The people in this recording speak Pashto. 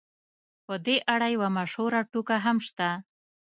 په دې اړه یوه مشهوره ټوکه هم شته.